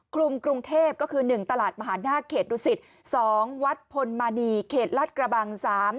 คลุมกรุงเทพก็คือ๑ตลาดมหานาคเขตดุสิต๒วัดพลมณีเขตรัฐกระบัง๓